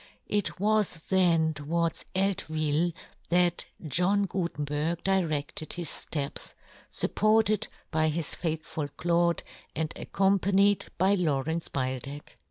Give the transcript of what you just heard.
It was then towards Eltvil that John Gutenberg diredted his fteps, fup ported by his faithful Claude, and accompanied by Lawrence Beildech.